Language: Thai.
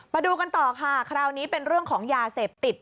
มาดูกันต่อค่ะคราวนี้เป็นเรื่องของยาเสพติด